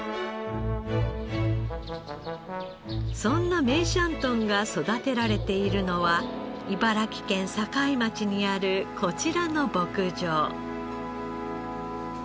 そんな梅山豚が育てられているのは茨城県境町にあるこちらの牧場。